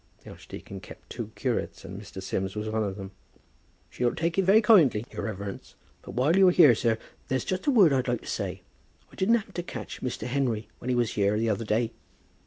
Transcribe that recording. The archdeacon kept two curates, and Mr. Sims was one of them. "She'll take it very kindly, your reverence. But while you are here, sir, there's just a word I'd like to say. I didn't happen to catch Mr. Henry when he was here the other day."